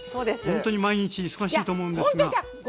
ほんとに毎日忙しいと思うんですが。